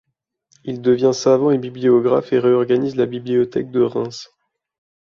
Il devient savant et bibliographe et réorganise la Bibliothèque de Reims.